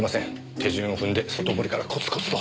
手順を踏んで外堀からコツコツと。